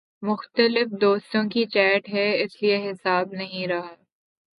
مختلف دوستوں کی چیٹ ہے اس لیے حساب نہیں رہا